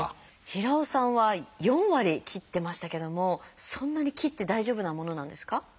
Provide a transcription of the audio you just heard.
平尾さんは４割切ってましたけどもそんなに切って大丈夫なものなんですか？